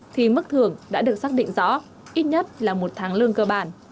thì mức thưởng đã được xác định rõ ít nhất là một tháng lương cơ bản